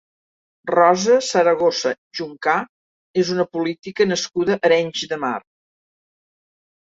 Rosa Zaragoza Juncá és una política nascuda a Arenys de Mar.